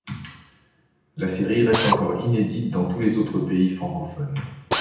La série reste encore inédite dans tous les autres pays francophones.